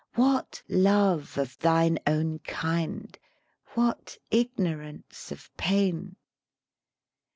What love of thine own kind? what ignorance of pain?